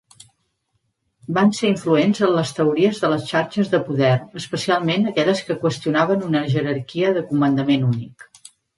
Van ser influents en les teories de les xarxes de poder, especialment aquelles que qüestionaven una jerarquia de comandament únic.